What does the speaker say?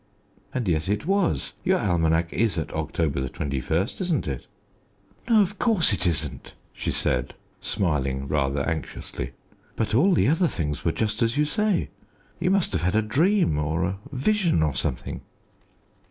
And yet it was. Your almanac is at October 21, isn't it?" "No, of course it isn't," she said, smiling rather anxiously; "but all the other things were just as you say. You must have had a dream, or a vision, or something."